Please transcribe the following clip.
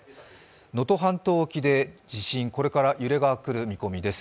能登半島沖で地震、これから揺れが来る見込みです。